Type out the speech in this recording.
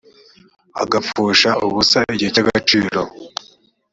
agapfusha ubusa igihe cy’agaciro